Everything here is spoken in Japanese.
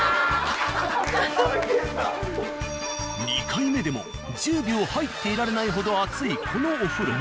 ２回目でも１０秒入っていられないほど熱いこのお風呂。